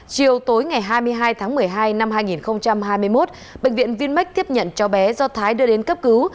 chiều tối ngày hai mươi hai tháng một mươi hai năm hai nghìn hai mươi một bệnh viện vinmec tiếp nhận cháu bé do thái đưa đến cấp cứu